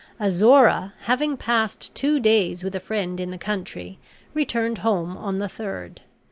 Azora, having passed two days with a friend in the country, returned home on the third.